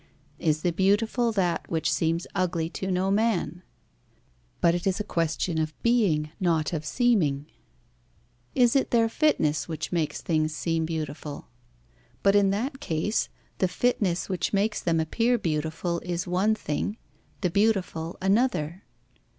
Is the beautiful that which seems ugly to no man? But it is a question of being, not of seeming. Is it their fitness which makes things seem beautiful? But in that case, the fitness which makes them appear beautiful is one thing, the beautiful another.